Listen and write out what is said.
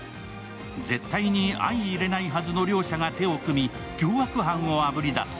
絶対に相いれないはずの両者が手を組み凶悪犯をあぶり出す